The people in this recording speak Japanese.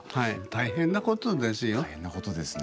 大変なことですね。